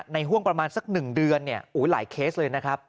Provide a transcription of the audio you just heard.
ห่วงประมาณสัก๑เดือนหลายเคสเลยนะครับ